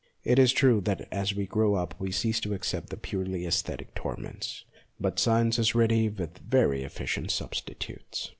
It is true that as we grow up we cease to accept these purely aesthetic torments ; but science is ready with very efficient substitutes.